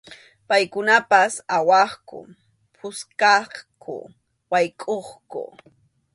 Paykunapas awaqku, puskaqku, waykʼuqku.